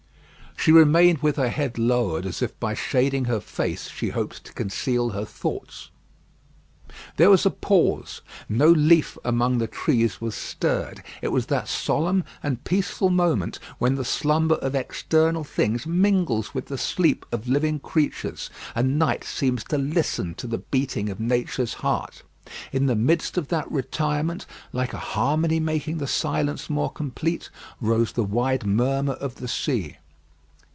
She remained with her head lowered as if by shading her face she hoped to conceal her thoughts. There was a pause. No leaf among the trees was stirred. It was that solemn and peaceful moment when the slumber of external things mingles with the sleep of living creatures; and night seems to listen to the beating of Nature's heart. In the midst of that retirement, like a harmony making the silence more complete, rose the wide murmur of the sea.